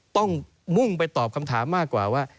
ต้องมุ่งไปตอบคำถามมากกว่าว่า